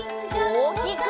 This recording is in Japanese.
おおきく！